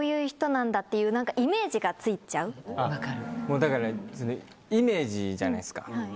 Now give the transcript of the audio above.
だからイメージじゃないですか。